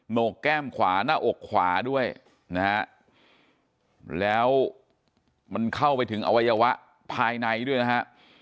โหนกแก้มขวาหน้าอกขวาด้วยนะฮะแล้วมันเข้าไปถึงอวัยวะภายในด้วยนะฮะ